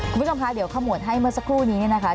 คุณผู้ชมคะเดี๋ยวข้อมูลให้เมื่อสักครู่นี้นะคะ